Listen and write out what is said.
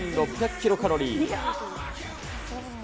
キロカロリー。